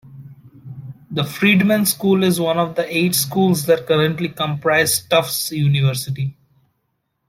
The Friedman School is one of the eight schools that currently comprise Tufts University.